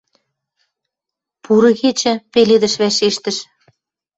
— Пуры кечӹ, — пеледӹш вӓшештӹш.